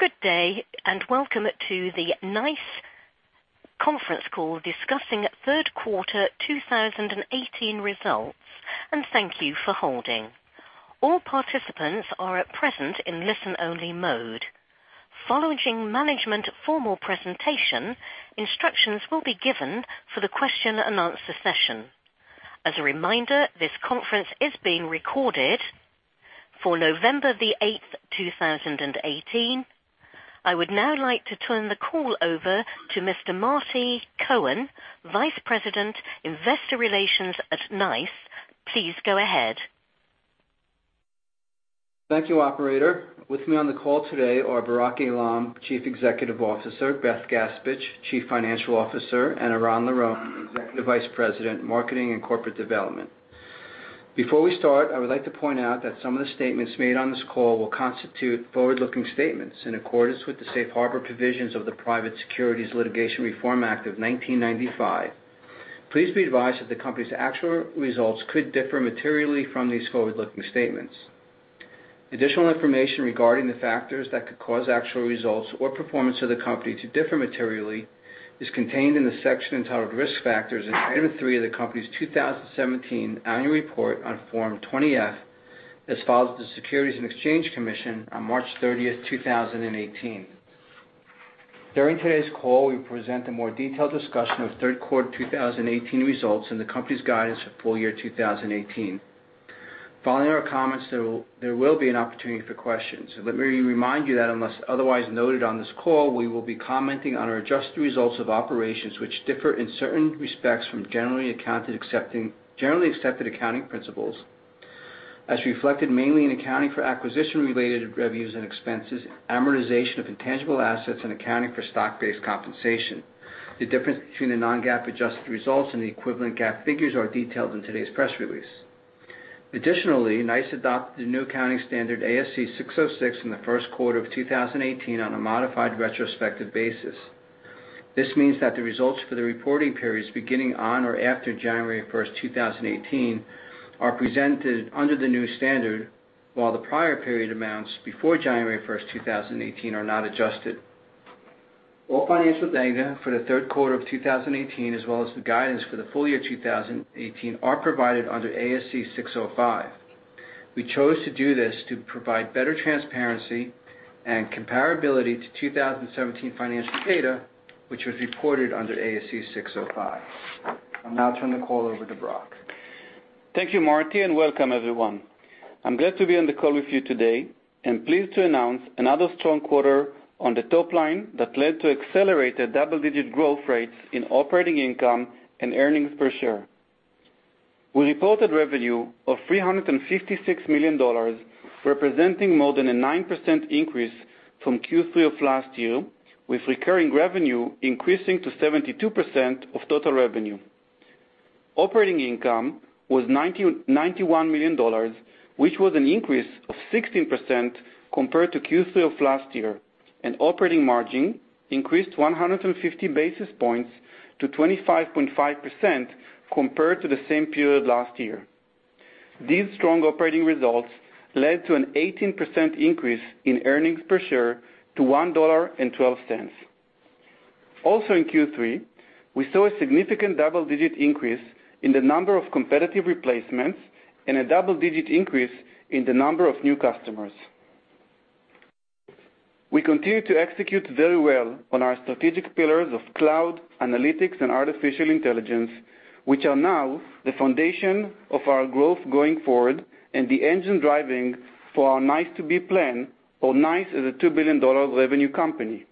Good day, welcome to the NICE conference call discussing third quarter 2018 results, and thank you for holding. All participants are at present in listen-only mode. Following management formal presentation, instructions will be given for the question-and-answer session. As a reminder, this conference is being recorded for November 8th, 2018. I would now like to turn the call over to Marty Cohen, Vice President, Investor Relations at NICE. Please go ahead. Thank you, operator. With me on the call today are Barak Eilam, Chief Executive Officer, Beth Gaspich, Chief Financial Officer, and Eran Liron, Executive Vice President, Marketing and Corporate Development. Before we start, I would like to point out that some of the statements made on this call will constitute forward-looking statements in accordance with the safe harbor provisions of the Private Securities Litigation Reform Act of 1995. Please be advised that the company's actual results could differ materially from these forward-looking statements. Additional information regarding the factors that could cause actual results or performance of the company to differ materially is contained in the section entitled Risk Factors in Item 3 of the company's 2017 annual report on Form 20-F, as filed with the Securities and Exchange Commission on March 30, 2018. During today's call, we present a more detailed discussion of third quarter 2018 results and the company's guidance for full year 2018. Following our comments, there will be an opportunity for questions. Let me remind you that unless otherwise noted on this call, we will be commenting on our adjusted results of operations which differ in certain respects from Generally Accepted Accounting Principles. As reflected mainly in accounting for acquisition-related revenues and expenses, amortization of intangible assets, and accounting for stock-based compensation. The difference between the non-GAAP adjusted results and the equivalent GAAP figures are detailed in today's press release. Additionally, NICE adopted the new accounting standard ASC 606 in the first quarter of 2018 on a modified retrospective basis. This means that the results for the reporting periods beginning on or after January 1, 2018, are presented under the new standard, while the prior period amounts before January 1, 2018, are not adjusted. All financial data for the third quarter of 2018, as well as the guidance for the full year 2018, are provided under ASC 605. We chose to do this to provide better transparency and comparability to 2017 financial data, which was reported under ASC 605. I'll now turn the call over to Barak. Thank you, Marty, and welcome everyone. I'm glad to be on the call with you today and pleased to announce another strong quarter on the top line that led to accelerated double-digit growth rates in operating income and earnings per share. We reported revenue of $356 million, representing more than a 9% increase from Q3 of last year, with recurring revenue increasing to 72% of total revenue. Operating income was $91 million, which was an increase of 16% compared to Q3 of last year, and operating margin increased 150 basis points to 25.5% compared to the same period last year. These strong operating results led to an 18% increase in earnings per share to $1.12. Also in Q3, we saw a significant double-digit increase in the number of competitive replacements and a double-digit increase in the number of new customers. We continue to execute very well on our strategic pillars of cloud, analytics, and artificial intelligence, which are now the foundation of our growth going forward and the engine driving NICE as a $2 billion revenue company.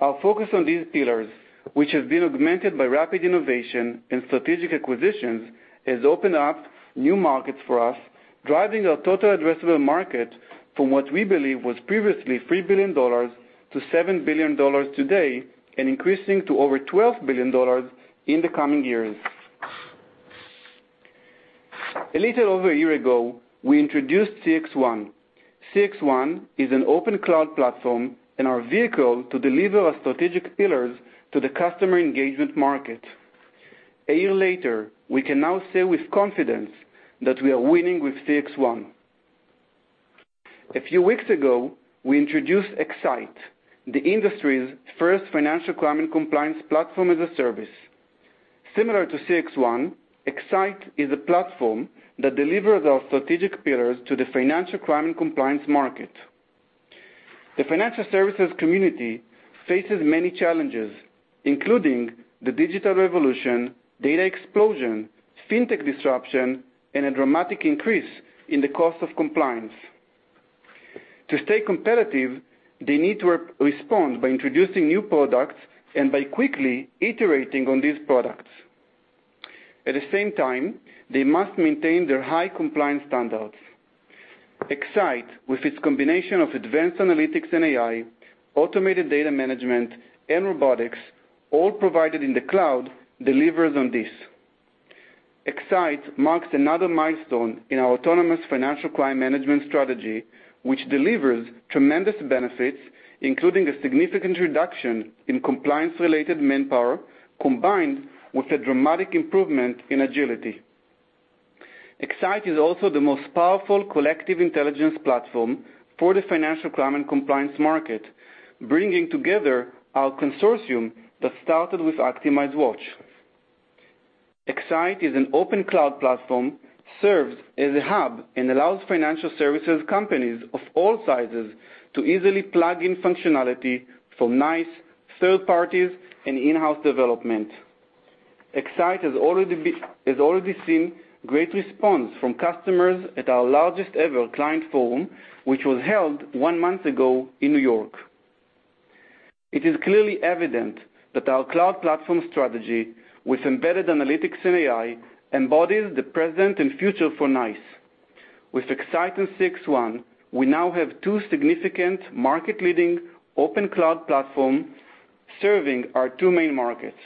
Our focus on these pillars, which have been augmented by rapid innovation and strategic acquisitions, has opened up new markets for us, driving our total addressable market from what we believe was previously $3 billion to $7 billion today and increasing to over $12 billion in the coming years. A little over a year ago, we introduced CXone. CXone is an open cloud platform and our vehicle to deliver our strategic pillars to the customer engagement market. A year later, we can now say with confidence that we are winning with CXone. A few weeks ago, we introduced X-Sight, the industry's first financial crime and compliance platform as a service. Similar to CXone, X-Sight is a platform that delivers our strategic pillars to the financial crime and compliance market. The financial services community faces many challenges, including the digital revolution, data explosion, fintech disruption, and a dramatic increase in the cost of compliance. To stay competitive, they need to respond by introducing new products and by quickly iterating on these products. At the same time, they must maintain their high compliance standards. X-Sight, with its combination of advanced analytics and AI, automated data management, and robotics, all provided in the cloud, delivers on this. X-Sight marks another milestone in our autonomous financial crime management strategy, which delivers tremendous benefits, including a significant reduction in compliance-related manpower, combined with a dramatic improvement in agility. X-Sight is also the most powerful collective intelligence platform for the financial crime and compliance market, bringing together our consortium that started with ActimizeWatch. X-Sight is an open cloud platform, serves as a hub, and allows financial services companies of all sizes to easily plug in functionality from NICE, third parties, and in-house development. X-Sight has already seen great response from customers at our largest ever client forum, which was held one month ago in New York. It is clearly evident that our cloud platform strategy with embedded analytics and AI embodies the present and future for NICE. With X-Sight and CXone, we now have two significant market-leading open cloud platform serving our two main markets.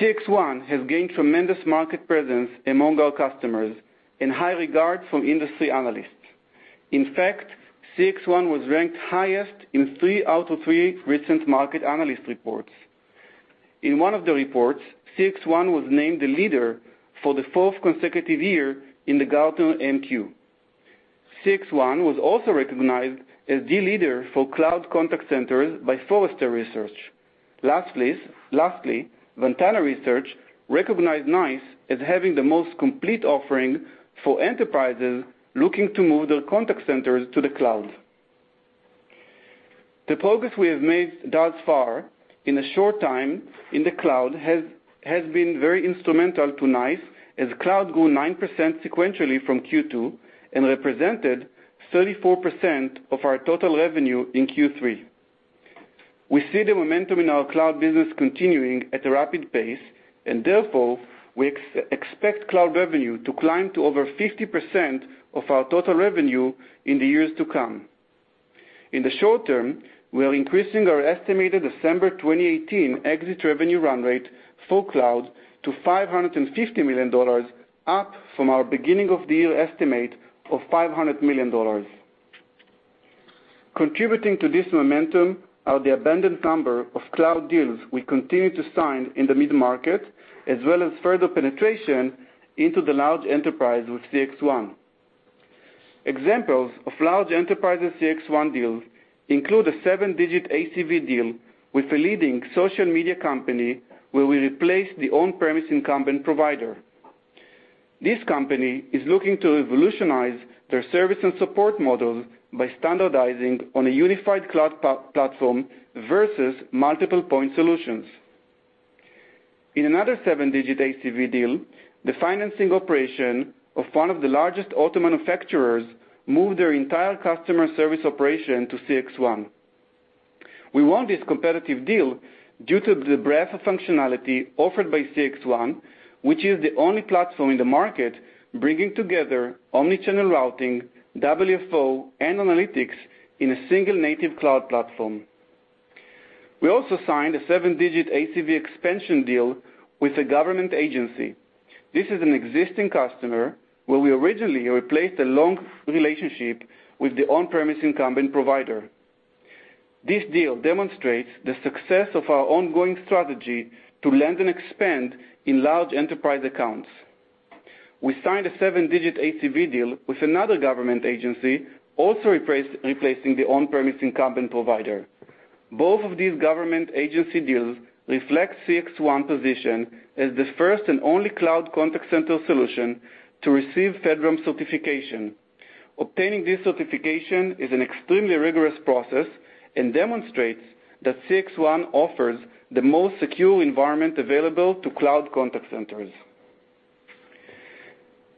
CXone has gained tremendous market presence among our customers and high regard from industry analysts. In fact, CXone was ranked highest in three out of three recent market analyst reports. In one of the reports, CXone was named the leader for the fourth consecutive year in the Gartner MQ. CXone was also recognized as the leader for cloud contact centers by Forrester Research. Lastly, Ventana Research recognized NICE as having the most complete offering for enterprises looking to move their contact centers to the cloud. The progress we have made thus far in a short time in the cloud has been very instrumental to NICE, as cloud grew 9% sequentially from Q2 and represented 34% of our total revenue in Q3. We see the momentum in our cloud business continuing at a rapid pace. Therefore, we expect cloud revenue to climb to over 50% of our total revenue in the years to come. In the short term, we are increasing our estimated December 2018 exit revenue run rate for cloud to $550 million, up from our beginning of the year estimate of $500 million. Contributing to this momentum are the abundant number of cloud deals we continue to sign in the mid-market, as well as further penetration into the large enterprise with CXone. Examples of large enterprise CXone deals include a seven-digit ACV deal with a leading social media company, where we replace the on-premise incumbent provider. This company is looking to revolutionize their service and support model by standardizing on a unified cloud platform versus multiple point solutions. In another seven-digit ACV deal, the financing operation of one of the largest auto manufacturers moved their entire customer service operation to CXone. We won this competitive deal due to the breadth of functionality offered by CXone, which is the only platform in the market bringing together omni-channel routing, WFO, and analytics in a single native cloud platform. We also signed a seven-digit ACV expansion deal with a government agency. This is an existing customer, where we originally replaced a long relationship with the on-premise incumbent provider. This deal demonstrates the success of our ongoing strategy to land and expand in large enterprise accounts. We signed a seven-digit ACV deal with another government agency, also replacing the on-premise incumbent provider. Both of these government agency deals reflect CXone position as the first and only cloud contact center solution to receive FedRAMP certification. Obtaining this certification is an extremely rigorous process and demonstrates that CXone offers the most secure environment available to cloud contact centers.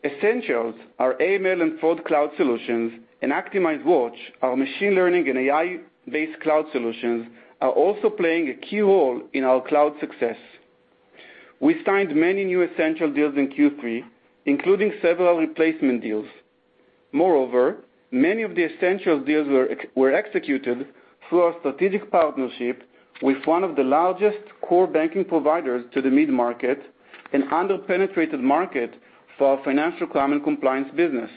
Essentials, our AML and fraud cloud solutions, and ActimizeWatch, our machine learning and AI-based cloud solutions, are also playing a key role in our cloud success. We signed many new Essentials deals in Q3, including several replacement deals. Moreover, many of the Essentials deals were executed through our strategic partnership with one of the largest core banking providers to the mid-market and under-penetrated market for our financial crime and compliance business.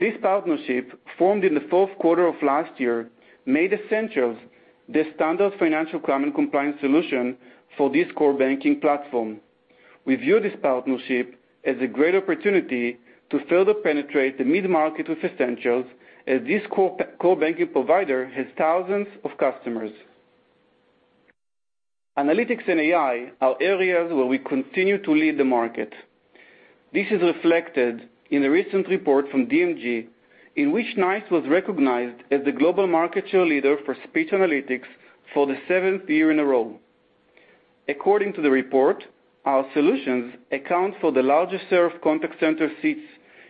This partnership, formed in the fourth quarter of last year, made Essentials the standard financial crime and compliance solution for this core banking platform. We view this partnership as a great opportunity to further penetrate the mid-market with Essentials, as this core banking provider has thousands of customers. Analytics and AI are areas where we continue to lead the market. This is reflected in a recent report from DMG, in which NICE was recognized as the global market share leader for speech analytics for the seventh year in a row. According to the report, our solutions account for the largest share of contact center seats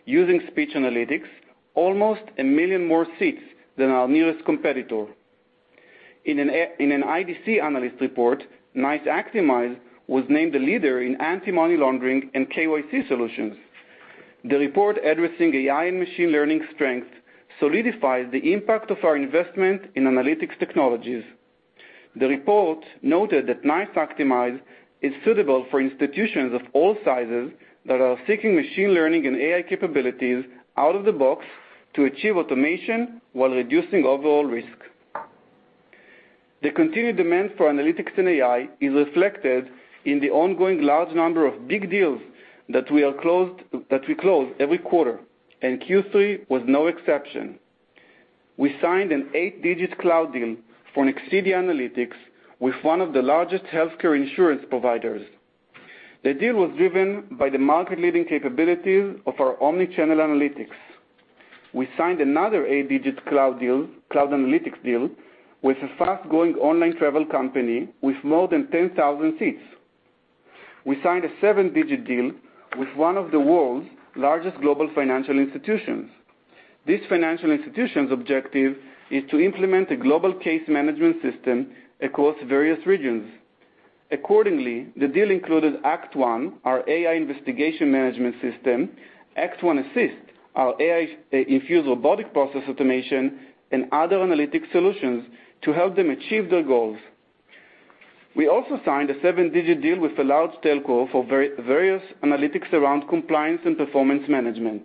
using speech analytics, almost a million more seats than our nearest competitor. In an IDC analyst report, NICE Actimize was named a leader in anti-money laundering and KYC solutions. The report addressing AI and machine learning strength solidifies the impact of our investment in analytics technologies. The report noted that NICE Actimize is suitable for institutions of all sizes that are seeking machine learning and AI capabilities out of the box to achieve automation while reducing overall risk. The continued demand for analytics and AI is reflected in the ongoing large number of big deals that we close every quarter, and Q3 was no exception. We signed an eight-digit cloud deal for a Nexidia analytics with one of the largest healthcare insurance providers. The deal was driven by the market-leading capabilities of our omni-channel analytics. We signed another eight-digit cloud analytics deal with a fast-growing online travel company with more than 10,000 seats. We signed a seven-digit deal with one of the world's largest global financial institutions. This financial institution's objective is to implement a global case management system across various regions. Accordingly, the deal included ActOne, our AI investigation management system, ActOne Assist, our AI-infused robotic process automation, and other analytic solutions to help them achieve their goals. We also signed a seven-digit deal with a large telco for various analytics around compliance and performance management.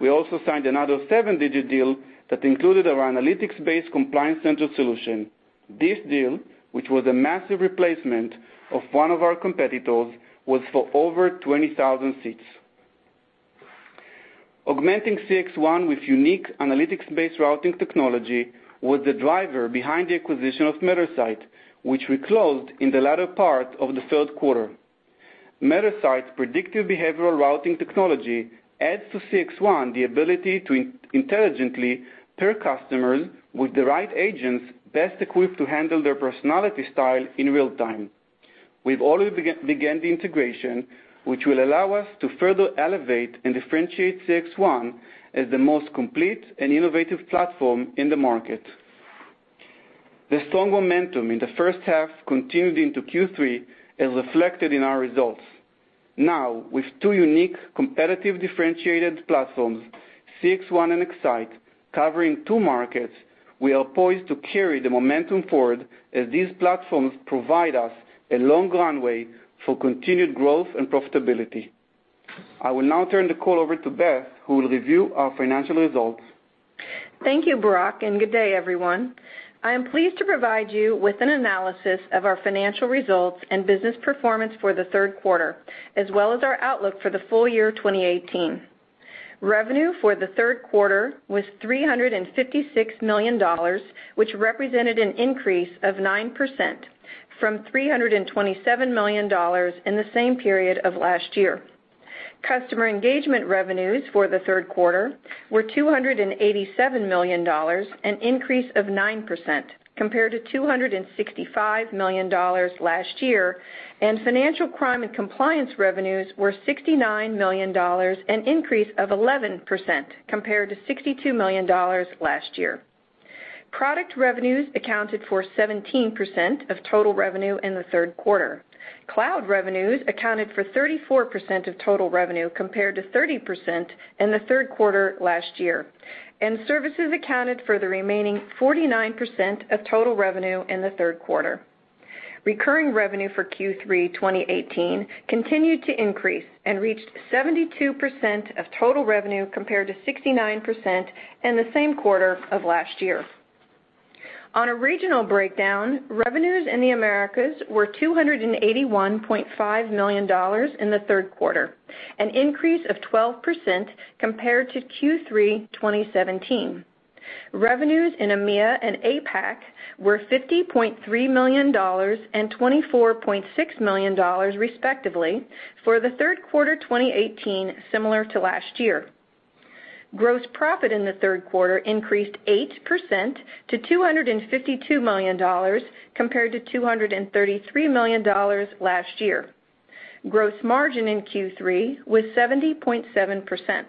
We also signed another seven-digit deal that included our analytics-based Compliance Center solution. This deal, which was a massive replacement of one of our competitors, was for over 20,000 seats. Augmenting CXone with unique analytics-based routing technology was the driver behind the acquisition of Mattersight, which we closed in the latter part of the third quarter. Mattersight's predictive behavioral routing technology adds to CXone the ability to intelligently pair customers with the right agents best equipped to handle their personality style in real time. We've already began the integration, which will allow us to further elevate and differentiate CXone as the most complete and innovative platform in the market. The strong momentum in the first half continued into Q3 as reflected in our results. Now, with two unique, competitive, differentiated platforms, CXone and X-Sight, covering two markets, we are poised to carry the momentum forward as these platforms provide us a long runway for continued growth and profitability. I will now turn the call over to Beth, who will review our financial results. Thank you, Barak, and good day, everyone. I am pleased to provide you with an analysis of our financial results and business performance for the third quarter, as well as our outlook for the full year 2018. Revenue for the third quarter was $356 million, which represented an increase of 9% from $327 million in the same period of last year. Customer engagement revenues for the third quarter were $287 million, an increase of 9% compared to $265 million last year, and financial crime and compliance revenues were $69 million, an increase of 11% compared to $62 million last year. Product revenues accounted for 17% of total revenue in the third quarter. Cloud revenues accounted for 34% of total revenue, compared to 30% in the third quarter last year, and services accounted for the remaining 49% of total revenue in the third quarter. Recurring revenue for Q3 2018 continued to increase and reached 72% of total revenue, compared to 69% in the same quarter of last year. On a regional breakdown, revenues in the Americas were $281.5 million in the third quarter, an increase of 12% compared to Q3 2017. Revenues in EMEA and APAC were $50.3 million and $24.6 million respectively for the third quarter 2018, similar to last year. Gross profit in the third quarter increased 8% to $252 million, compared to $233 million last year. Gross margin in Q3 was 70.7%.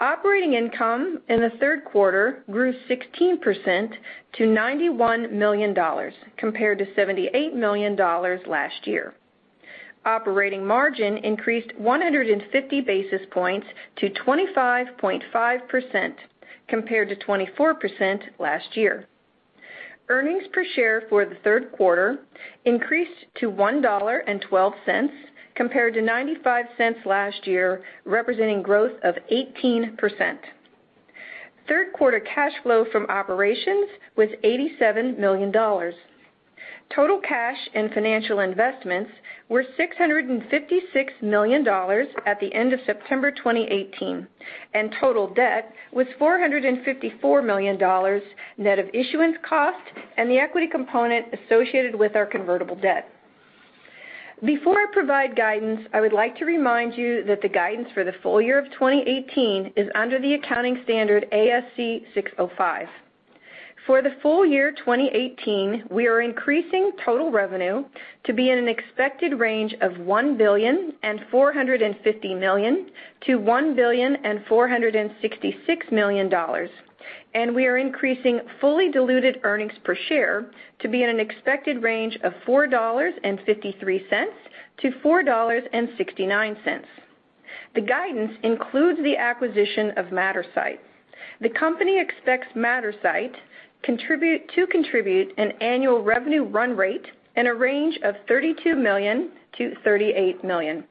Operating income in the third quarter grew 16% to $91 million, compared to $78 million last year. Operating margin increased 150 basis points to 25.5%, compared to 24% last year. Earnings per share for the third quarter increased to $1.12, compared to $0.95 last year, representing growth of 18%. Third quarter cash flow from operations was $87 million. Total cash and financial investments were $656 million at the end of September 2018, and total debt was $454 million net of issuance cost and the equity component associated with our convertible debt. Before I provide guidance, I would like to remind you that the guidance for the full year of 2018 is under the accounting standard ASC 605. For the full year 2018, we are increasing total revenue to be in an expected range of $1,450 million-$1,466 million, and we are increasing fully diluted earnings per share to be in an expected range of $4.53-$4.69. The guidance includes the acquisition of Mattersight. The company expects Mattersight to contribute an annual revenue run rate in a range of $32 million-$38 million.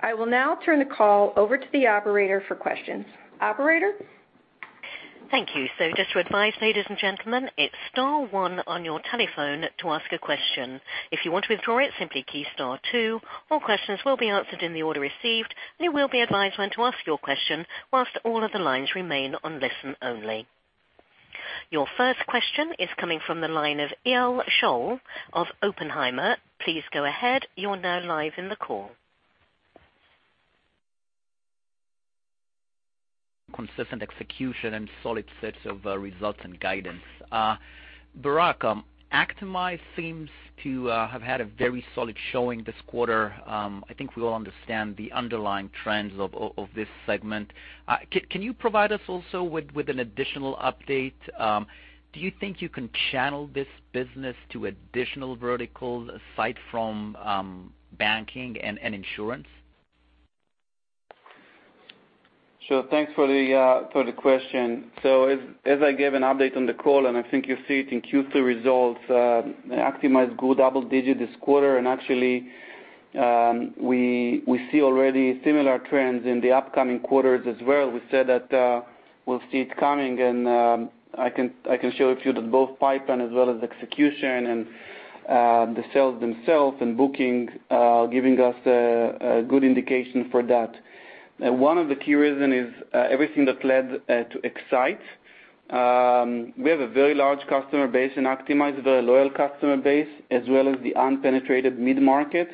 I will now turn the call over to the operator for questions. Operator? Thank you. Just to advise, ladies and gentlemen, it's star one on your telephone to ask a question. If you want to withdraw it, simply key star two. All questions will be answered in the order received, and you will be advised when to ask your question whilst all other lines remain on listen only. Your first question is coming from the line of Shaul Eyal of Oppenheimer. Please go ahead. You're now live in the call. Consistent execution and solid sets of results and guidance. Barak, Actimize seems to have had a very solid showing this quarter. I think we all understand the underlying trends of this segment. Can you provide us also with an additional update? Do you think you can channel this business to additional verticals aside from banking and insurance? Sure. Thanks for the question. As I gave an update on the call, and I think you see it in Q3 results, Actimize grew double digit this quarter. Actually, we see already similar trends in the upcoming quarters as well. We said that we'll see it coming, and I can show a few that both pipeline as well as execution and the sales themselves and booking, giving us a good indication for that. One of the key reasons is everything that led to X-Sight. We have a very large customer base in Actimize, a very loyal customer base, as well as the unpenetrated mid-market.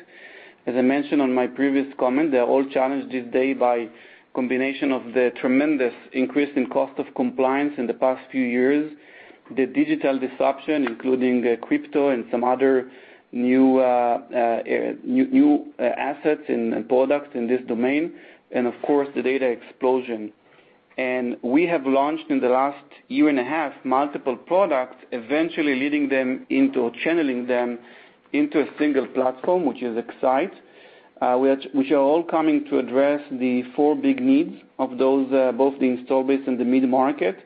As I mentioned on my previous comment, they're all challenged this day by combination of the tremendous increase in cost of compliance in the past few years, the digital disruption, including crypto and some other new assets and products in this domain, and of course, the data explosion. We have launched in the last year and a half, multiple products, eventually leading them into or channeling them into a single platform, which is X-Sight, which are all coming to address the four big needs of those, both the install base and the mid-market.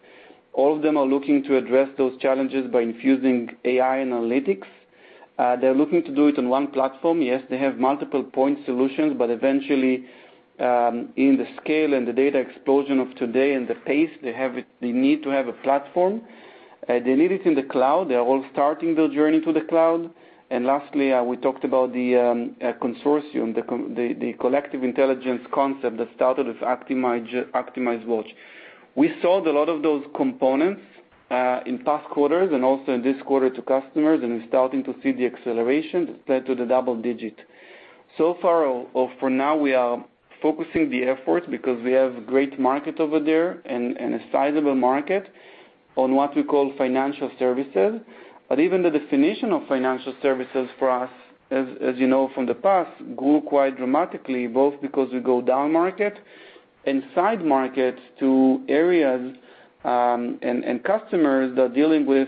All of them are looking to address those challenges by infusing AI analytics. They're looking to do it on one platform. Yes, they have multiple point solutions, but eventually, in the scale and the data explosion of today and the pace, they need to have a platform. They need it in the cloud. They are all starting their journey to the cloud. Lastly, we talked about the consortium, the collective intelligence concept that started with ActimizeWatch. We sold a lot of those components, in past quarters and also in this quarter to customers, and we're starting to see the acceleration led to the double digit. Far or for now, we are focusing the efforts because we have great market over there and a sizable market on what we call financial services. But even the definition of financial services for us, as you know from the past, grew quite dramatically, both because we go down market and side market to areas, and customers that are dealing with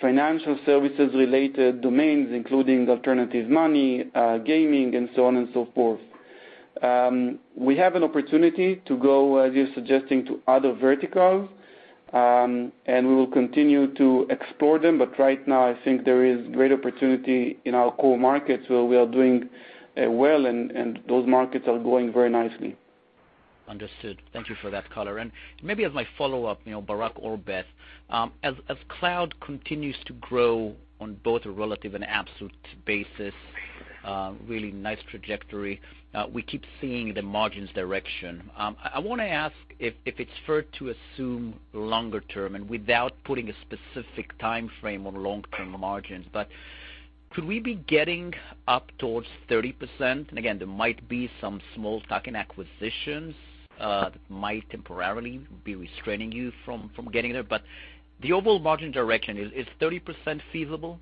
financial services related domains, including alternative money, gaming, and so on and so forth. We have an opportunity to go, as you're suggesting, to other verticals, and we will continue to explore them. Right now, I think there is great opportunity in our core markets, where we are doing well, and those markets are growing very nicely. Understood. Thank you for that color. Maybe as my follow-up, Barak or Beth, as cloud continues to grow on both a relative and absolute basis, really nice trajectory, we keep seeing the margins direction. I want to ask if it's fair to assume longer term and without putting a specific time frame on long-term margins. Could we be getting up towards 30%? Again, there might be some small tuck-in acquisitions that might temporarily be restraining you from getting there. The overall margin direction, is 30% feasible?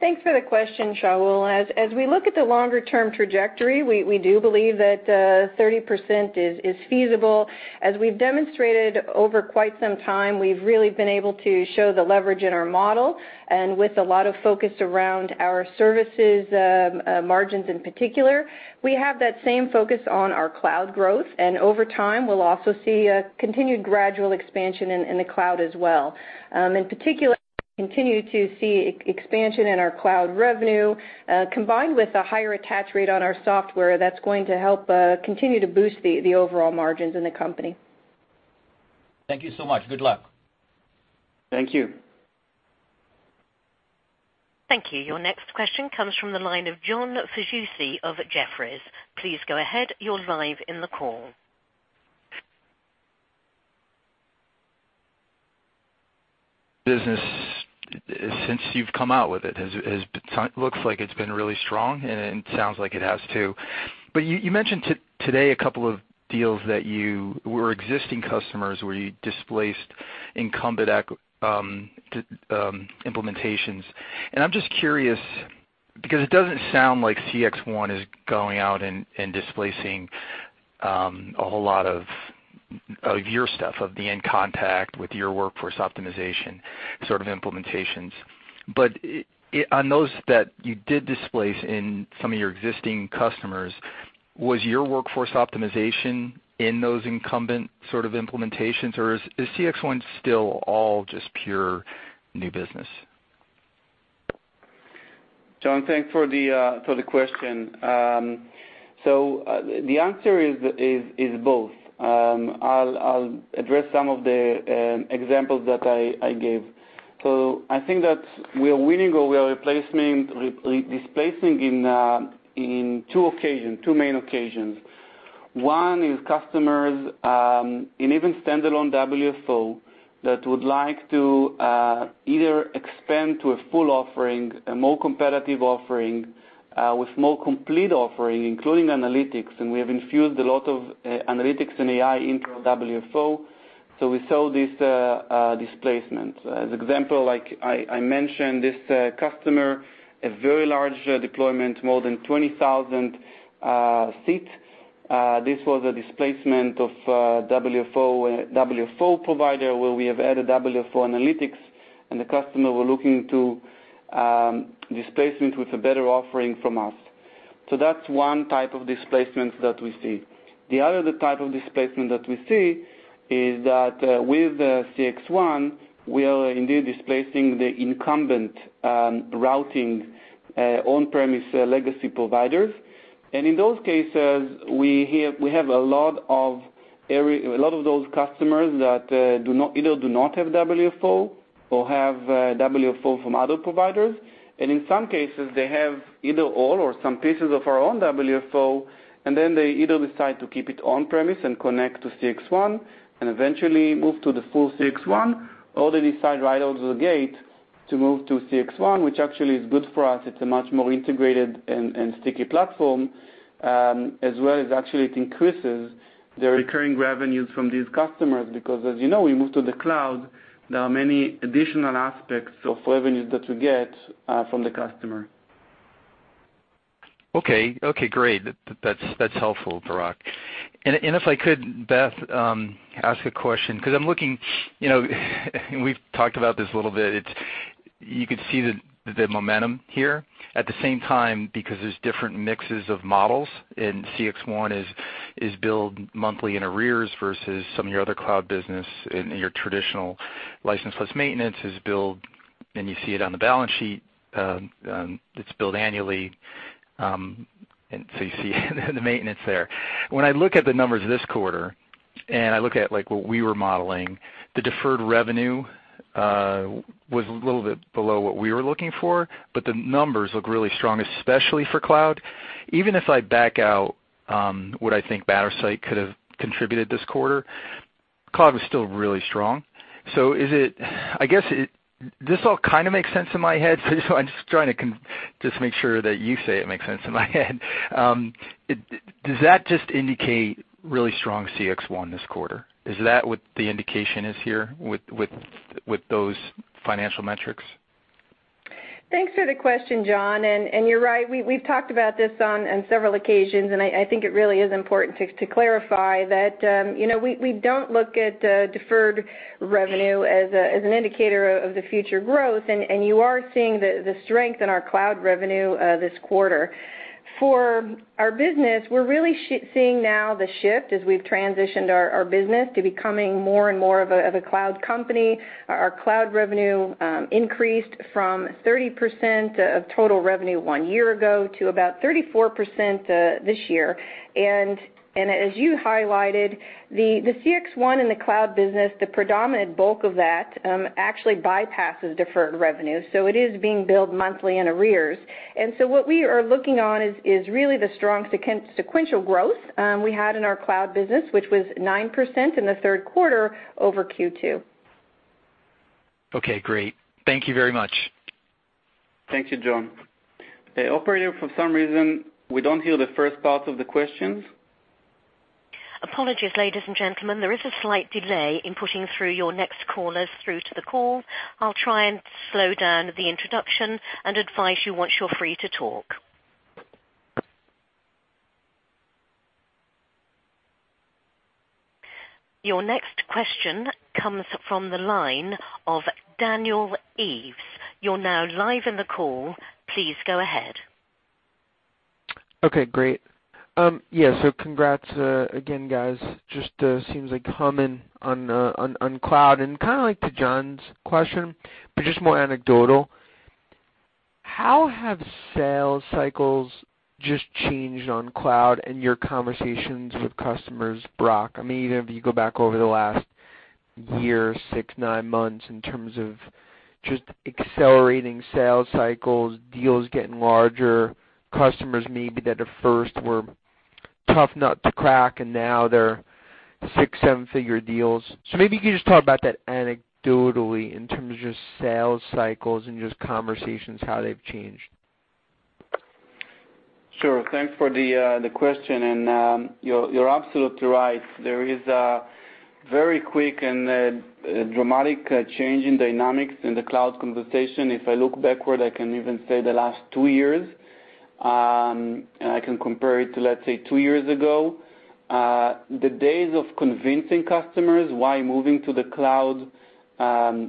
Thanks for the question, Shaul. As we look at the longer-term trajectory, we do believe that 30% is feasible. As we've demonstrated over quite some time, we've really been able to show the leverage in our model. With a lot of focus around our services margins in particular, we have that same focus on our cloud growth. Over time, we'll also see a continued gradual expansion in the cloud as well. In particular, continue to see expansion in our cloud revenue, combined with a higher attach rate on our software that's going to help continue to boost the overall margins in the company. Thank you so much. Good luck. Thank you. Thank you. Your next question comes from the line of John DiFucci of Jefferies. Please go ahead. You're live in the call. Business, since you've come out with it, looks like it's been really strong, and it sounds like it has too. You mentioned today a couple of deals that were existing customers where you displaced incumbent implementations. I'm just curious because it doesn't sound like CXone is going out and displacing a whole lot of your stuff, of the inContact with your workforce optimization sort of implementations. On those that you did displace in some of your existing customers, was your workforce optimization in those incumbent sort of implementations, or is CXone still all just pure new business? John, thanks for the question. The answer is both. I'll address some of the examples that I gave. I think that we are winning or we are displacing in two main occasions. One is customers, in even standalone WFO, that would like to either expand to a full offering, a more competitive offering with more complete offering, including analytics, and we have infused a lot of analytics and AI into WFO, so we saw this displacement. As an example, like I mentioned, this customer, a very large deployment, more than 20,000 seats. This was a displacement of a WFO provider, where we have added WFO analytics, and the customer were looking to displacement with a better offering from us. That's one type of displacement that we see. The other type of displacement that we see is that with the CXone, we are indeed displacing the incumbent routing on-premise legacy providers. In those cases, we have a lot of those customers that either do not have WFO or have WFO from other providers. In some cases, they have either all or some pieces of our own WFO, and then they either decide to keep it on-premise and connect to CXone and eventually move to the full CXone, or they decide right out of the gate to move to CXone, which actually is good for us. It's a much more integrated and sticky platform, as well as actually it increases the recurring revenues from these customers, because as you know, we move to the cloud, there are many additional aspects of revenues that we get from the customer. Okay. Okay, great. That's helpful, Barak. If I could, Beth, ask a question, because I'm looking, and we've talked about this a little bit. You could see the momentum here. At the same time, because there's different mixes of models, CXone is billed monthly in arrears versus some of your other cloud business in your traditional license-plus maintenance is billed, and you see it on the balance sheet. It's billed annually, and so you see the maintenance there. When I look at the numbers this quarter, and I look at what we were modeling, the deferred revenue was a little bit below what we were looking for, but the numbers look really strong, especially for cloud. Even if I back out what I think Mattersight could have contributed this quarter, cloud was still really strong. I guess this all kind of makes sense in my head, so I'm just trying to just make sure that you say it makes sense in my head. Does that just indicate really strong CXone this quarter? Is that what the indication is here with those financial metrics? Thanks for the question, John. You're right, we've talked about this on several occasions, and I think it really is important to clarify that we don't look at deferred revenue as an indicator of the future growth. You are seeing the strength in our cloud revenue this quarter. For our business, we're really seeing now the shift as we've transitioned our business to becoming more and more of a cloud company. Our cloud revenue increased from 30% of total revenue one year ago to about 34% this year. As you highlighted, the CXone and the cloud business, the predominant bulk of that actually bypasses deferred revenue, so it is being billed monthly in arrears. What we are looking on is really the strong sequential growth we had in our cloud business, which was 9% in the third quarter over Q2. Okay, great. Thank you very much. Thank you, John. Operator, for some reason, we don't hear the first part of the questions. Apologies, ladies and gentlemen. There is a slight delay in putting through your next callers through to the call. I'll try and slow down the introduction and advise you once you're free to talk. Your next question comes from the line of Daniel Ives. You're now live in the call. Please go ahead. Okay, great. Yeah, congrats again, guys. Just seems like coming on cloud and kind of like to John's question, but just more anecdotal. How have sales cycles just changed on cloud and your conversations with customers, Barak? I mean, even if you go back over the last year, six, nine months in terms of just accelerating sales cycles, deals getting larger, customers maybe that at first were tough nut to crack, and now they're six, seven-figure deals. Maybe you could just talk about that anecdotally in terms of just sales cycles and just conversations, how they've changed. Sure. Thanks for the question. You're absolutely right. There is a very quick and dramatic change in dynamics in the cloud conversation. If I look backward, I can even say the last two years, I can compare it to, let's say, two years ago. The days of convincing customers why moving to the cloud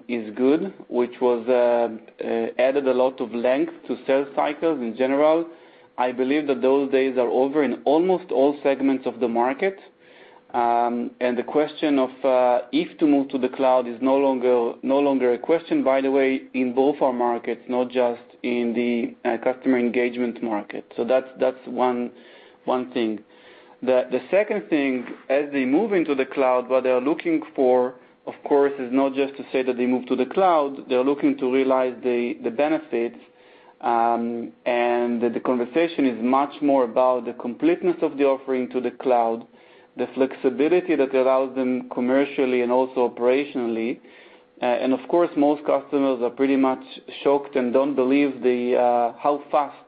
is good, which added a lot of length to sales cycles in general, I believe that those days are over in almost all segments of the market. The question of if to move to the cloud is no longer a question, by the way, in both our markets, not just in the customer engagement market. That's one thing. The second thing, as they move into the cloud, what they're looking for, of course, is not just to say that they move to the cloud. They're looking to realize the benefits. The conversation is much more about the completeness of the offering to the cloud, the flexibility that allows them commercially and also operationally. Of course, most customers are pretty much shocked and don't believe how fast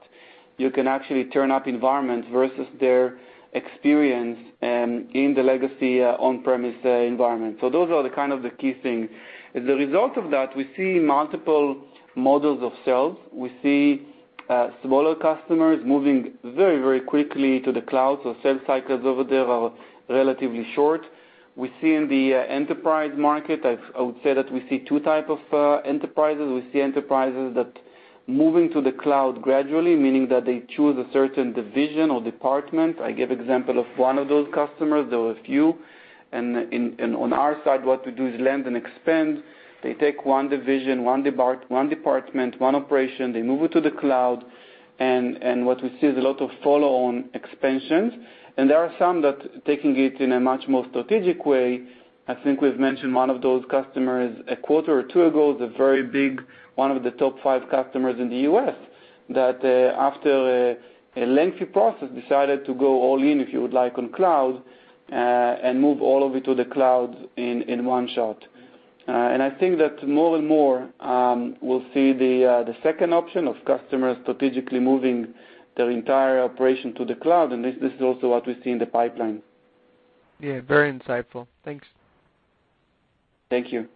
you can actually turn up environments versus their experience in the legacy on-premise environment. Those are the kind of the key things. As a result of that, we see multiple models of sales. We see smaller customers moving very quickly to the cloud. Sales cycles over there are relatively short. We see in the enterprise market, I would say that we see two type of enterprises. We see enterprises that moving to the cloud gradually, meaning that they choose a certain division or department. I give example of one of those customers, there were a few. On our side, what we do is land and expand. They take one division, one department, one operation, they move it to the cloud. What we see is a lot of follow-on expansions. There are some that taking it in a much more strategic way. I think we've mentioned one of those customers a quarter or two ago, is a very big, one of the top five customers in the U.S., that, after a lengthy process, decided to go all in, if you would like, on cloud, and move all of it to the cloud in one shot. I think that more and more, we'll see the second option of customers strategically moving their entire operation to the cloud. This is also what we see in the pipeline. Yeah, very insightful. Thanks. Thank you.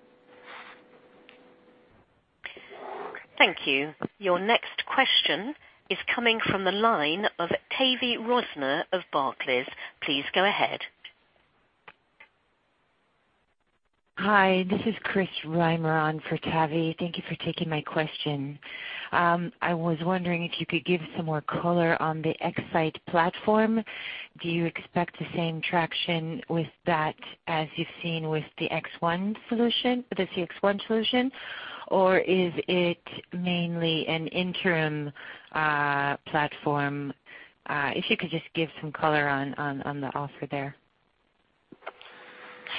Thank you. Your next question is coming from the line of Tavy Rosner of Barclays. Please go ahead. Hi, this is Chris Reimer on for Tavy. Thank you for taking my question. I was wondering if you could give some more color on the X-Sight platform. Do you expect the same traction with that as you've seen with the CXone solution? Or is it mainly an interim platform? If you could just give some color on the offer there.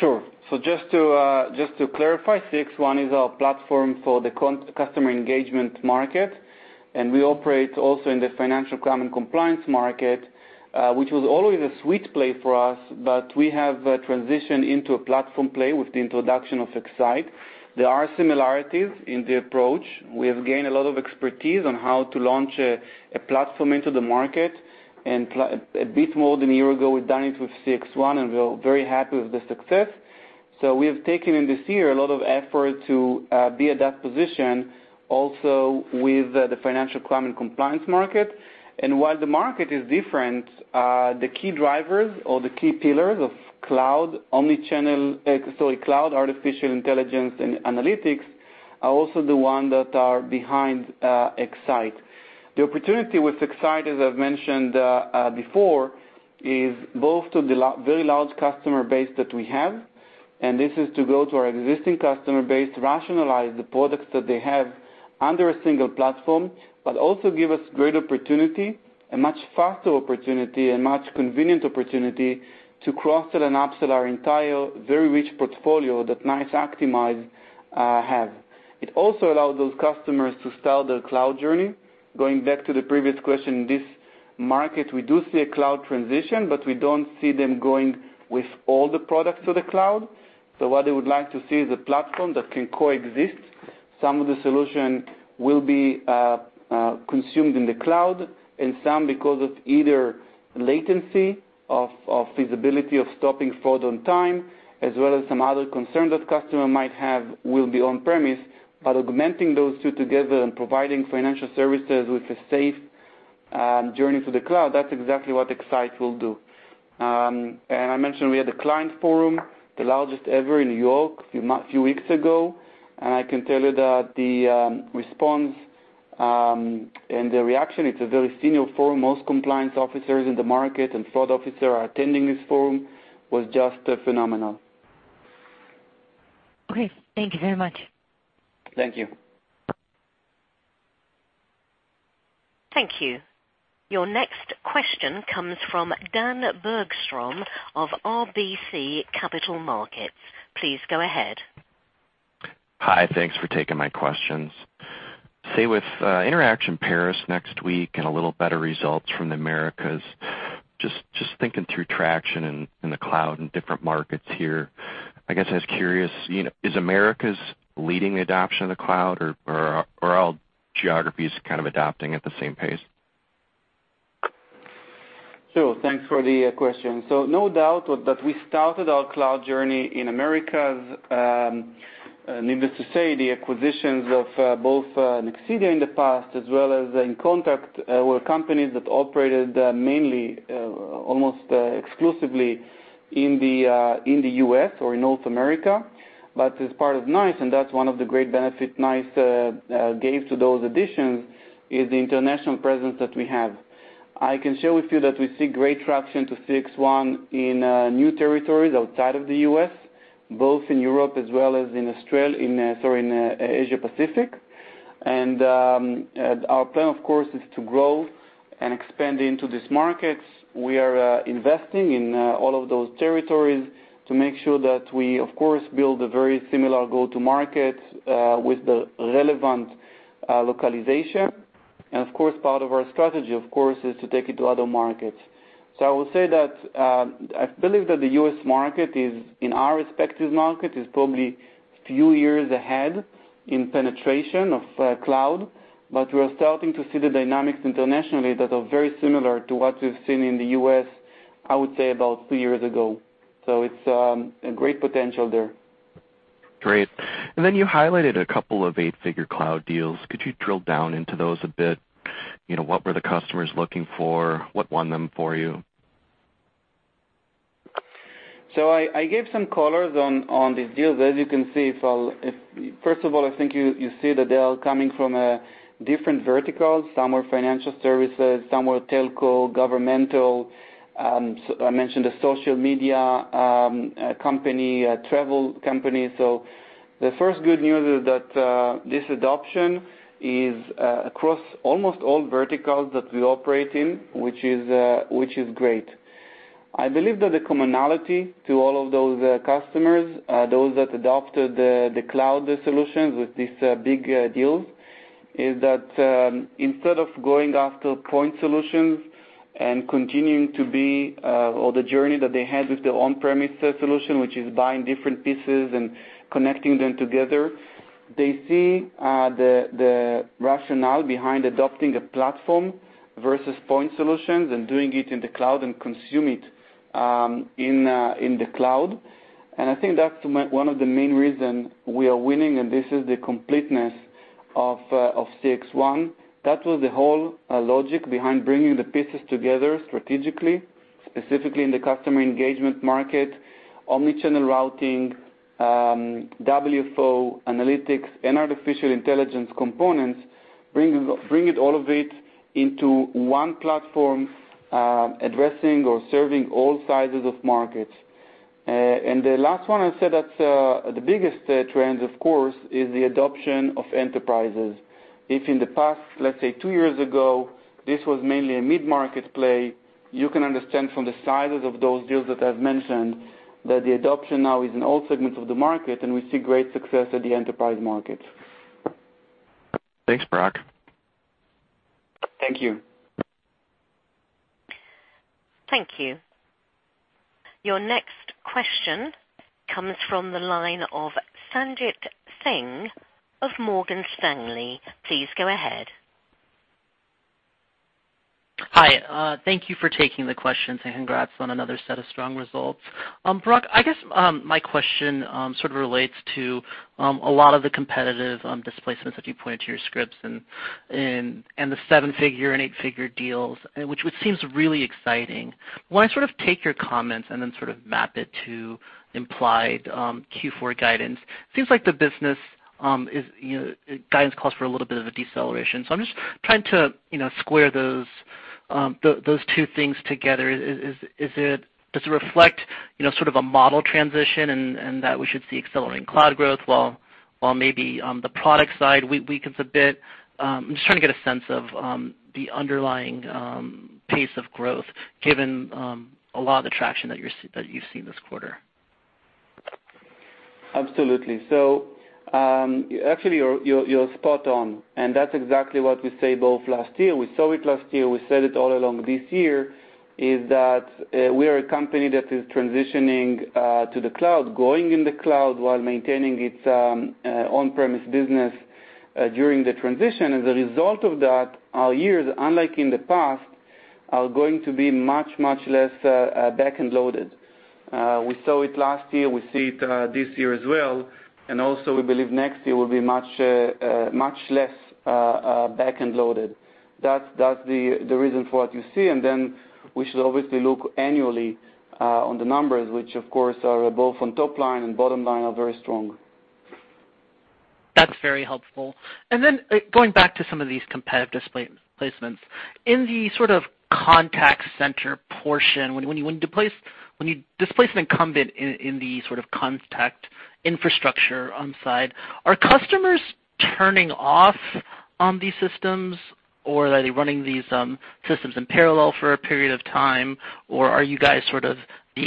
Sure. Just to clarify, CXone is our platform for the customer engagement market, and we operate also in the financial crime and compliance market, which was always a sweet play for us, but we have transitioned into a platform play with the introduction of X-Sight. There are similarities in the approach. We have gained a lot of expertise on how to launch a platform into the market. A bit more than a year ago, we've done it with CXone, and we are very happy with the success. We have taken in this year a lot of effort to be at that position also with the financial crime and compliance market. While the market is different, the key drivers or the key pillars of cloud, artificial intelligence and analytics, are also the one that are behind X-Sight. The opportunity with X-Sight, as I've mentioned before, is both to the very large customer base that we have, and this is to go to our existing customer base, rationalize the products that they have under a single platform, but also give us great opportunity, a much faster opportunity and much convenient opportunity to cross-sell and upsell our entire very rich portfolio that NICE Actimize have. It also allows those customers to start their cloud journey. Going back to the previous question, this market, we do see a cloud transition, but we don't see them going with all the products to the cloud. What they would like to see is a platform that can coexist. Some of the solution will be consumed in the cloud and some, because of either latency of feasibility of stopping fraud on time, as well as some other concern that customer might have, will be on premise. Augmenting those two together and providing financial services with a safe journey to the cloud, that's exactly what X-Sight will do. I mentioned we had a client forum, the largest ever in New York a few weeks ago. I can tell you that the response and the reaction, it's a very senior forum, most compliance officers in the market and fraud officer are attending this forum, was just phenomenal. Okay. Thank you very much. Thank you. Thank you. Your next question comes from Daniel Bergstrom of RBC Capital Markets. Please go ahead. Hi. Thanks for taking my questions. Say, with Interactions Paris next week and a little better results from the Americas, just thinking through traction in the cloud and different markets here. I guess I was curious, is Americas leading the adoption of the cloud, or are all geographies kind of adopting at the same pace? Sure. Thanks for the question. No doubt that we started our cloud journey in Americas. Needless to say, the acquisitions of both Nexidia in the past as well as inContact, were companies that operated mainly, almost exclusively in the U.S. or in North America, but as part of NICE, and that's one of the great benefits NICE gave to those additions, is the international presence that we have. I can share with you that we see great traction to CXone in new territories outside of the U.S., both in Europe as well as in Asia Pacific. Our plan, of course, is to grow and expand into these markets. We are investing in all of those territories to make sure that we, of course, build a very similar go-to-market with the relevant localization. Of course, part of our strategy is to take it to other markets. I believe that the U.S. market, in our respective market, is probably a few years ahead in penetration of cloud, but we're starting to see the dynamics internationally that are very similar to what we've seen in the U.S., I would say about three years ago. It's a great potential there. Great. You highlighted a couple of eight-figure cloud deals. Could you drill down into those a bit? What were the customers looking for? What won them for you? I gave some colors on these deals. First of all, I think you see that they are coming from different verticals. Some were financial services, some were telco, governmental. I mentioned a social media company, a travel company. The first good news is that this adoption is across almost all verticals that we operate in, which is great. I believe that the commonality to all of those customers, those that adopted the cloud solutions with these big deals, is that instead of going after point solutions and continuing to be, or the journey that they had with their on-premise solution, which is buying different pieces and connecting them together, they see the rationale behind adopting a platform versus point solutions and doing it in the cloud and consume it in the cloud. I think that's one of the main reasons we are winning, and this is the completeness of CXone. That was the whole logic behind bringing the pieces together strategically, specifically in the customer engagement market, omni-channel routing, WFO analytics, and artificial intelligence components, bringing all of it into one platform, addressing or serving all sizes of markets. The last one I said that's the biggest trend, of course, is the adoption of enterprises. If in the past, let's say two years ago, this was mainly a mid-market play, you can understand from the sizes of those deals that I've mentioned, that the adoption now is in all segments of the market, and we see great success at the enterprise market. Thanks, Barak. Thank you. Thank you. Your next question comes from the line of Sanjit Singh of Morgan Stanley. Please go ahead. Hi. Thank you for taking the questions and congrats on another set of strong results. Barak, I guess my question sort of relates to a lot of the competitive displacements that you pointed to your scripts and the seven-figure and eight-figure deals, which would seem really exciting. When I sort of take your comments and then sort of map it to implied Q4 guidance, it seems like the business guidance calls for a little bit of a deceleration. I'm just trying to square those two things together. Does it reflect sort of a model transition in that we should see accelerating cloud growth while maybe on the product side weakens a bit? I'm just trying to get a sense of the underlying pace of growth, given a lot of the traction that you've seen this quarter. Absolutely. Actually, you're spot on, and that's exactly what we say both last year. We saw it last year, we said it all along this year, is that we are a company that is transitioning to the cloud, going in the cloud while maintaining its on-premise business during the transition. As a result of that, our years, unlike in the past, are going to be much, much less backend loaded. We saw it last year, we see it this year as well, and also we believe next year will be much less backend loaded. That's the reason for what you see. We should obviously look annually on the numbers, which of course are both on top line and bottom line are very strong. That's very helpful. Going back to some of these competitive displacements. In the sort of contact center portion, when you displace an incumbent in the sort of contact infrastructure on side, are customers turning off on these systems? Are they running these systems in parallel for a period of time? Are you guys sort of the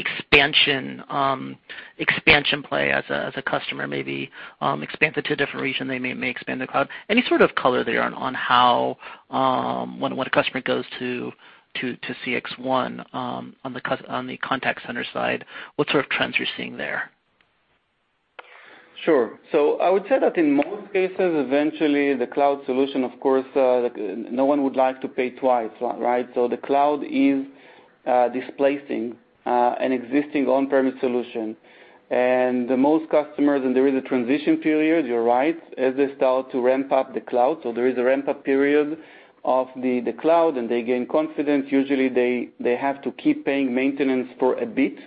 expansion play as a customer, maybe expand to a different region, they may expand the cloud. Any sort of color there on how, when a customer goes to CXone on the contact center side, what sort of trends you're seeing there? Sure. I would say that in most cases, eventually, the cloud solution, of course, no one would like to pay twice, right? The cloud is displacing an existing on-premise solution. The most customers, and there is a transition period, you're right, as they start to ramp up the cloud. There is a ramp-up period of the cloud, and they gain confidence. Usually, they have to keep paying maintenance for a bit.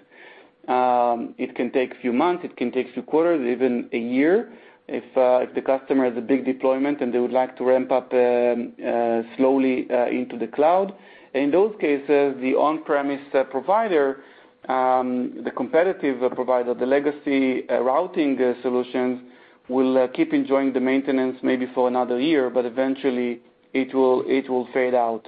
It can take a few months, it can take two quarters, even a year if the customer has a big deployment and they would like to ramp up slowly into the cloud. In those cases, the on-premise provider, the competitive provider, the legacy routing solutions will keep enjoying the maintenance maybe for another year, but eventually, it will fade out.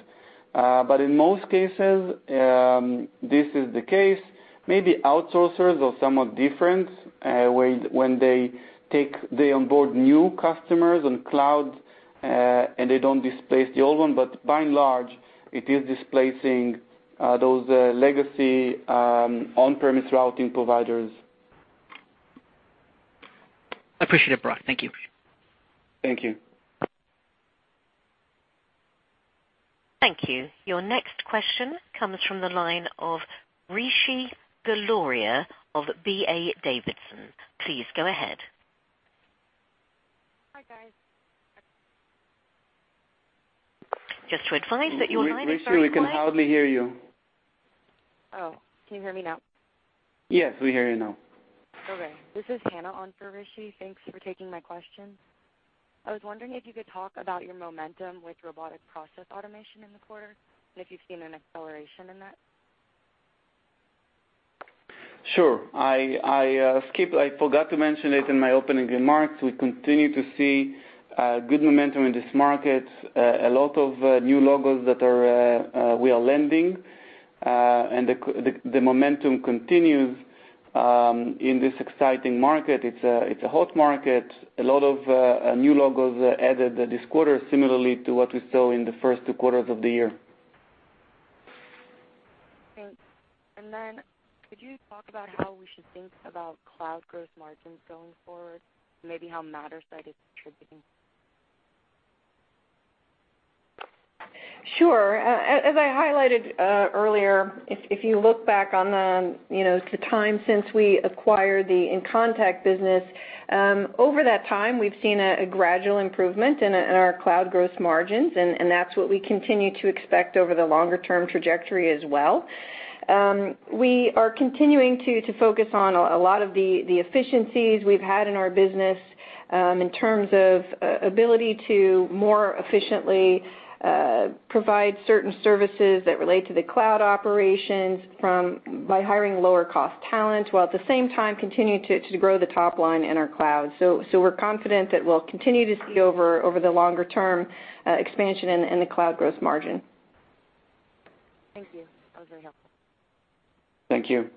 In most cases, this is the case. Maybe outsourcers are somewhat different when they onboard new customers on cloud, and they don't displace the old one. By and large, it is displacing those legacy on-premise routing providers. Appreciate it, Barak. Thank you. Thank you. Thank you. Your next question comes from the line of Rishi Jaluria of D.A. Davidson. Please go ahead. Hi, guys. Just to advise that your line is very quiet. Rishi, we can hardly hear you. Oh, can you hear me now? Yes, we hear you now. Okay. This is Hannah on for Rishi. Thanks for taking my question. I was wondering if you could talk about your momentum with robotic process automation in the quarter, and if you've seen an acceleration in that. Sure. I forgot to mention it in my opening remarks. We continue to see good momentum in this market. A lot of new logos that we are landing, and the momentum continues in this exciting market. It's a hot market. A lot of new logos added this quarter, similarly to what we saw in the first two quarters of the year. Thanks. Could you talk about how we should think about cloud gross margins going forward, maybe how Mattersight is contributing? Sure. As I highlighted earlier, if you look back on the time since we acquired the inContact business, over that time, we've seen a gradual improvement in our cloud gross margins, and that's what we continue to expect over the longer-term trajectory as well. We are continuing to focus on a lot of the efficiencies we've had in our business in terms of ability to more efficiently provide certain services that relate to the cloud operations by hiring lower-cost talent, while at the same time continuing to grow the top line in our cloud. We're confident that we'll continue to see, over the longer term, expansion in the cloud gross margin. Thank you. That was very helpful. Thank you.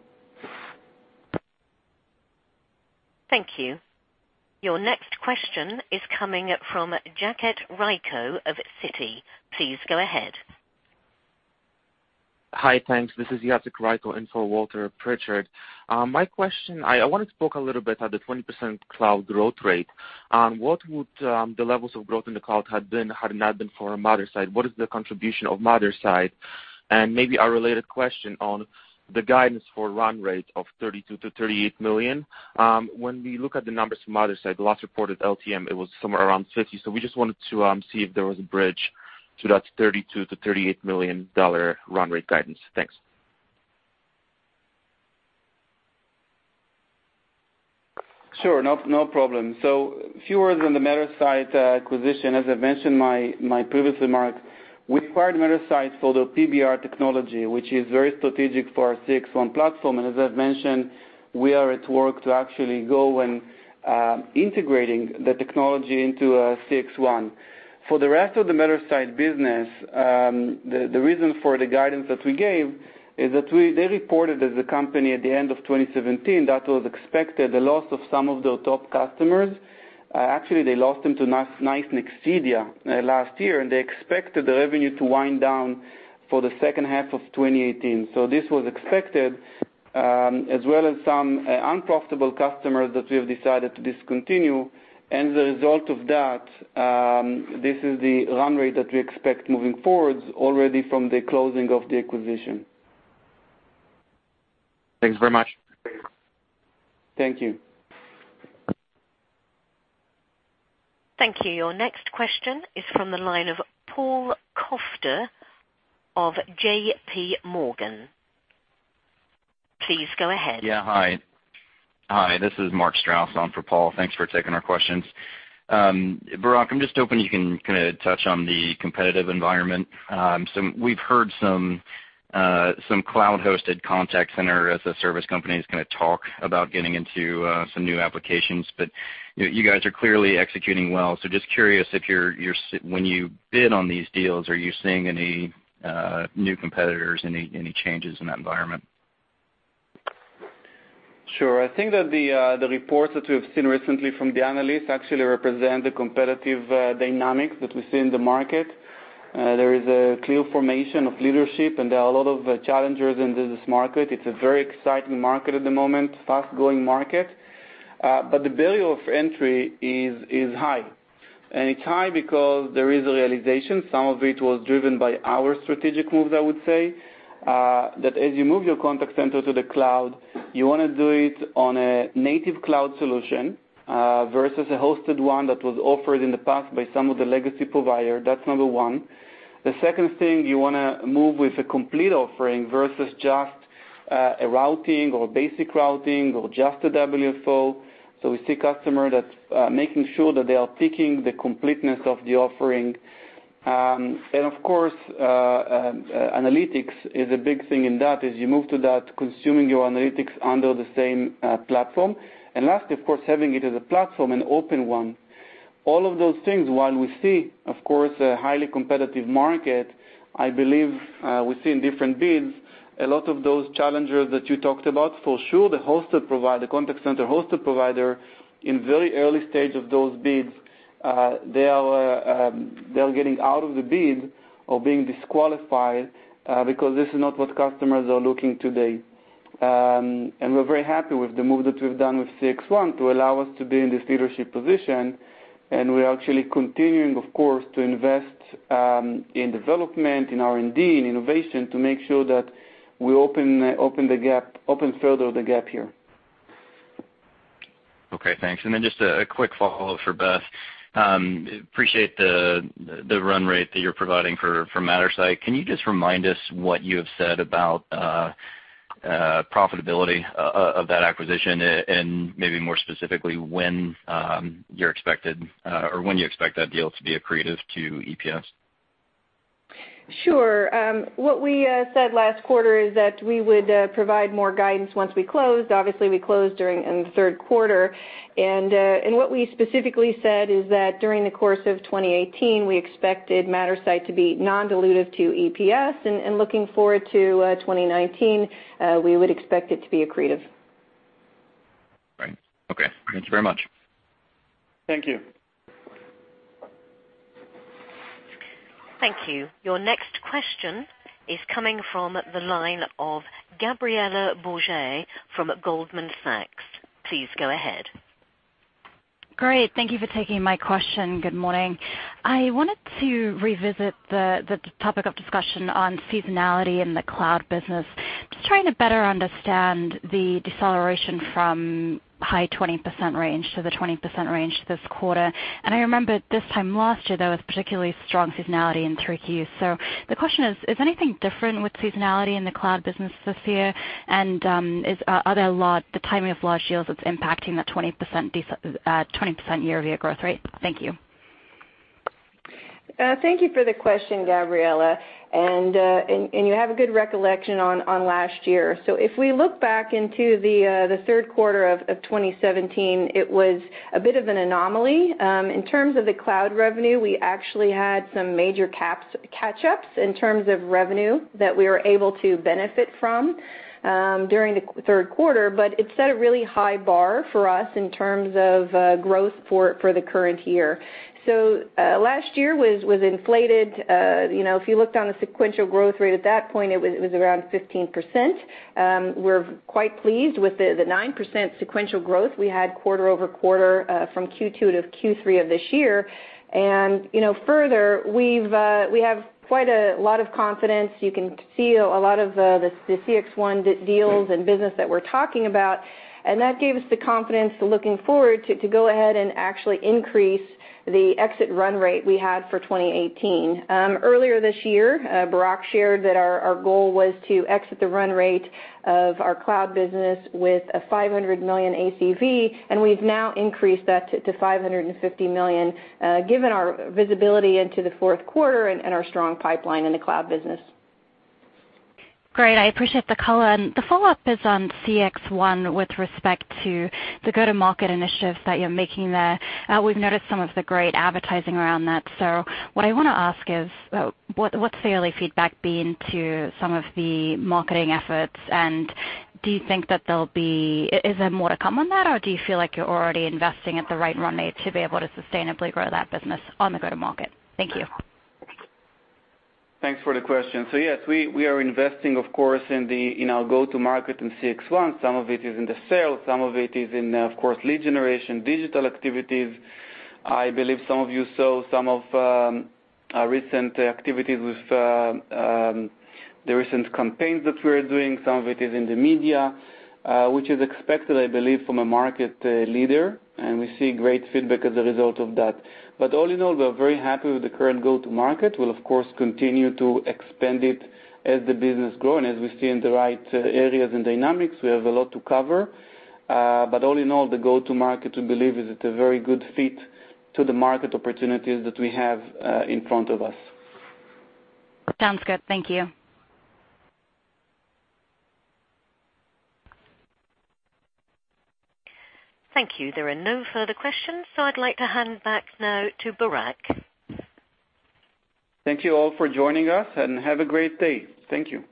Thank you. Your next question is coming from Jacek Rycko of Citi. Please go ahead. Hi, thanks. This is Jacek Rycko in for Walter Pritchard. My question, I wanted to talk a little bit about the 20% cloud growth rate. What would the levels of growth in the cloud had been, had it not been for Mattersight? What is the contribution of Mattersight? Maybe a related question on the guidance for run rate of $32 million-$38 million. When we look at the numbers from Mattersight, the last reported LTM, it was somewhere around $50 million. We just wanted to see if there was a bridge to that $32 million-$38 million run rate guidance. Thanks. Sure. No problem. A few words on the Mattersight acquisition. As I mentioned my previous remarks, we acquired Mattersight for their PBR technology, which is very strategic for our CXone platform. As I've mentioned, we are at work to actually go and integrating the technology into CXone. For the rest of the Mattersight business, the reason for the guidance that we gave is that they reported as a company at the end of 2017, that was expected, the loss of some of their top customers. Actually, they lost them to NICE and Nexidia last year, and they expected the revenue to wind down for the second half of 2018. This was expected, as well as some unprofitable customers that we have decided to discontinue. The result of that, this is the run rate that we expect moving forward already from the closing of the acquisition. Thanks very much. Thank you. Thank you. Your next question is from the line of Paul Coster of JPMorgan. Please go ahead. Yeah, hi. This is Mark Strauss on for Paul. Thanks for taking our questions. Barak, I'm just hoping you can kind of touch on the competitive environment. We've heard some cloud-hosted contact center as a service company is going to talk about getting into some new applications, but you guys are clearly executing well. Just curious if when you bid on these deals, are you seeing any new competitors, any changes in that environment? Sure. The reports that we have seen recently from the analysts actually represent the competitive dynamics that we see in the market. There is a clear formation of leadership, and there are a lot of challengers in this market. It is a very exciting market at the moment, fast-growing market. The barrier of entry is high. And it is high because there is a realization, some of it was driven by our strategic moves, I would say. That as you move your contact center to the cloud, you want to do it on a native cloud solution versus a hosted one that was offered in the past by some of the legacy provider. That's number one. The second thing, you want to move with a complete offering versus just a routing or a basic routing or just a WFO. We see customer that's making sure that they are picking the completeness of the offering. Of course, analytics is a big thing in that, as you move to that, consuming your analytics under the same platform. Lastly, of course, having it as a platform, an open one. All of those things, while we see, of course, a highly competitive market, I believe, we see in different bids, a lot of those challengers that you talked about, for sure, the hosted provider, contact center hosted provider, in very early stage of those bids, they are getting out of the bid or being disqualified, because this is not what customers are looking today. We're very happy with the move that we've done with CXone to allow us to be in this leadership position. We are actually continuing, of course, to invest in development, in R&D, and innovation to make sure that we open further the gap here. Okay, thanks. Then just a quick follow-up for Beth. Appreciate the run rate that you're providing for Mattersight. Can you just remind us what you have said about profitability of that acquisition and maybe more specifically when you expect that deal to be accretive to EPS? Sure. What we said last quarter is that we would provide more guidance once we closed. Obviously, we closed during the third quarter. What we specifically said is that during the course of 2018, we expected Mattersight to be non-dilutive to EPS. Looking forward to 2019, we would expect it to be accretive. Right. Okay. Thanks very much. Thank you. Thank you. Your next question is coming from the line of Gabriela Borges from Goldman Sachs. Please go ahead. Great. Thank you for taking my question. Good morning. I wanted to revisit the topic of discussion on seasonality in the cloud business. Just trying to better understand the deceleration from high 20% range to the 20% range this quarter. I remember this time last year, there was particularly strong seasonality in 3Q. The question is anything different with seasonality in the cloud business this year? Are there the timing of large deals that's impacting that 20% year-over-year growth rate? Thank you. Thank you for the question, Gabriela. You have a good recollection on last year. If we look back into the third quarter of 2017, it was a bit of an anomaly. In terms of the cloud revenue, we actually had some major catch-ups in terms of revenue that we were able to benefit from during the third quarter, but it set a really high bar for us in terms of growth for the current year. Last year was inflated. If you looked on a sequential growth rate at that point, it was around 15%. We're quite pleased with the 9% sequential growth we had quarter-over-quarter from Q2 to Q3 of this year. Further, we have quite a lot of confidence. You can see a lot of the CXone deals and business that we're talking about, and that gave us the confidence looking forward to go ahead and actually increase the exit run rate we had for 2018. Earlier this year, Barak shared that our goal was to exit the run rate of our cloud business with a $500 million ACV, and we've now increased that to $550 million, given our visibility into the fourth quarter and our strong pipeline in the cloud business. Great. I appreciate the color. The follow-up is on CXone with respect to the go-to-market initiatives that you're making there. We've noticed some of the great advertising around that. What I want to ask is, what's the early feedback been to some of the marketing efforts? Is there more to come on that, or do you feel like you're already investing at the right run rate to be able to sustainably grow that business on the go-to-market? Thank you. Thanks for the question. Yes, we are investing, of course, in our go-to-market in CXone. Some of it is in the sales, some of it is in, of course, lead generation, digital activities. I believe some of you saw some of our recent activities with the recent campaigns that we're doing. Some of it is in the media, which is expected, I believe, from a market leader, and we see great feedback as a result of that. All in all, we are very happy with the current go-to-market. We'll of course, continue to expand it as the business grow and as we see in the right areas and dynamics, we have a lot to cover. All in all, the go-to-market, we believe, is at a very good fit to the market opportunities that we have in front of us. Sounds good. Thank you. Thank you. There are no further questions, I'd like to hand back now to Barak. Thank you all for joining us, have a great day. Thank you.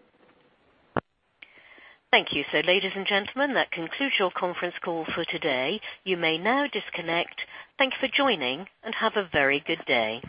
Thank you. Ladies and gentlemen, that concludes your conference call for today. You may now disconnect. Thank you for joining, and have a very good day.